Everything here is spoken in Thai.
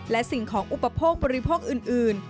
และสิ่งของอุปโภคบริโภคอื่น